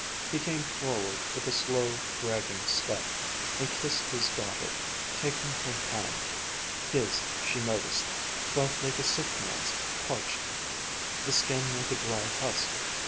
He came forward with a slow, dragging step, and kissed his daughter, taking her hand his, she noticed, felt like a sick man's, parched, the skin like a dry husk.